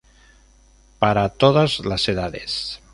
Para todas las edades.